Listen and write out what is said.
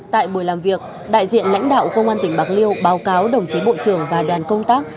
tại buổi làm việc đại diện lãnh đạo công an tỉnh bạc liêu báo cáo đồng chí bộ trưởng và đoàn công tác